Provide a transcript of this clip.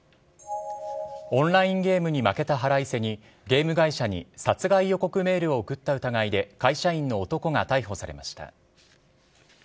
オンラインゲームに負けた腹いせにゲーム会社に殺害予告メールを送った疑いで会社員の男が逮捕されました。